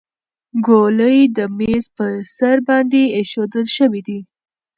ګولۍ د میز په سر باندې ایښودل شوې دي.